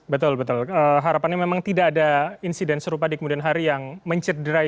betul betul harapannya memang tidak ada insiden serupa di kemudian hari yang mencederai